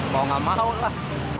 mau gak mau lah